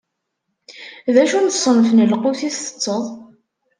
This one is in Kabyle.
D acu n ṣṣenf n lqut i ttetteḍ?